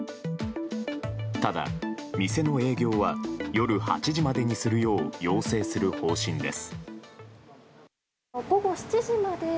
ただ、店の営業は夜８時までにするよう要請する方針です。